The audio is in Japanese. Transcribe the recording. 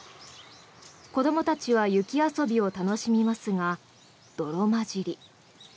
子どもたちは雪遊びを楽しみますが泥交じり。